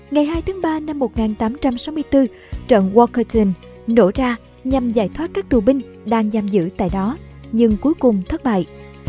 ngày hai tháng ba năm một nghìn tám trăm sáu mươi bốn trận walkerton nổ ra nhằm giải thoát các tù binh đang giam giữ tại đó nhưng cuối cùng thất bại